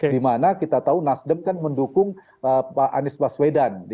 dimana kita tahu nasdem kan mendukung pak anies baswedan